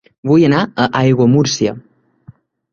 Vull anar a Aiguamúrcia